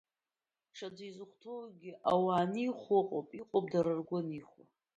Ҽаӡәы изыхәҭоугь ауаа анихәауа, иҟоуп, дара ргәы анихәуа…